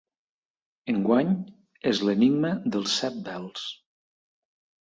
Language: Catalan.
Enguany és l'Enigma dels set vels.